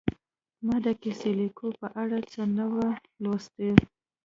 ما د کیسه لیکلو په اړه څه نه وو لوستي